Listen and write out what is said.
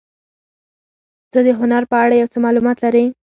ته د هنر په اړه یو څه معلومات لرې؟